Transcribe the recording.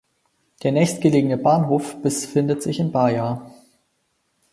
Der nächstgelegene Bahnhof befindet sich in Baja.